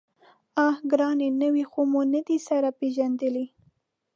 _اه ګرانه! نوي خو مو نه دي سره پېژندلي.